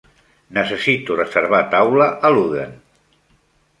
necessito reservar taula a Ludden